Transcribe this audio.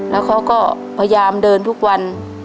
แล้วเขาก็พยายามเดินทุกวัน